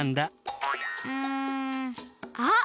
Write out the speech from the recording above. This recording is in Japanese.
うんあっ！